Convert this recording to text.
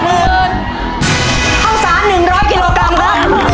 เข้าสาร๑๐๐กิโลกรัมนะ